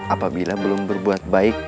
apabila belum berbuat baik